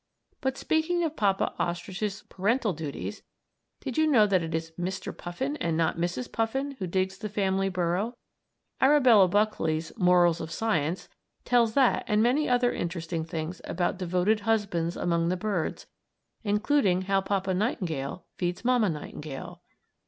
But, speaking of Papa Ostrich's parental duties, did you know that it's Mr. Puffin, and not Mrs. Puffin, who digs the family burrow? Arabella Buckley's "Morals of Science" tells that and many other interesting things about devoted husbands among the birds, including how Papa Nightingale feeds Mamma Nightingale.